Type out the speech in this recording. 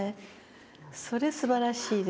それすばらしいですね。